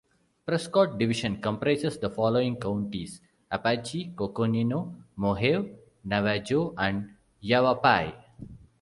Prescott Division comprises the following counties: Apache, Coconino, Mohave, Navajo, and Yavapai.